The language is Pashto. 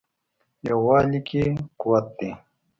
یووالي کې قوت دی.